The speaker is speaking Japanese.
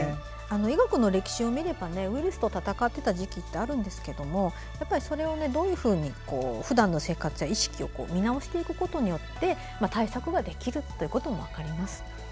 医学の歴史を見るたびウイルスと闘っていた時期ってあるんですけどもそれをどうふだんの生活で意識を見直していくことによって対策ができることも分かります。